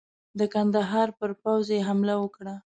د کندهار پر پوځ یې حمله وکړه.